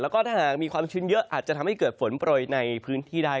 แล้วก็ถ้าหากมีความชื้นเยอะอาจจะทำให้เกิดฝนโปรยในพื้นที่ได้